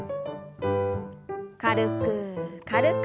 軽く軽く。